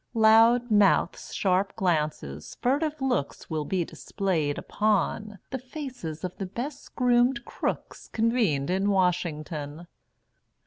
Loud mouths, sharp glances, furtive looks Will be displayed upon The faces of the best groomed crooks Convened in Washington.